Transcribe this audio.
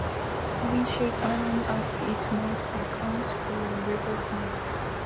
A wing-shaped island at its mouth accounts for the river's name.